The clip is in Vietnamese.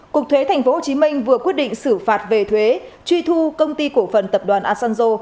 cục thuế tp hcm vừa quyết định xử phạt về thuế truy thu công ty cổ phần tập đoàn asanzo